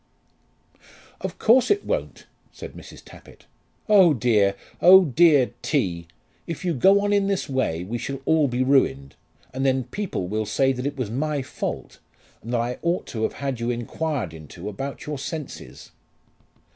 "Of course it won't," said Mrs. Tappitt. "Oh dear, oh dear, T.! if you go on in this way we shall all be ruined; and then people will say that it was my fault, and that I ought to have had you inquired into about your senses."